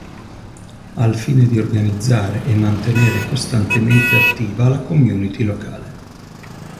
Al fine di organizzare e mantenere costantemente attiva la community locale.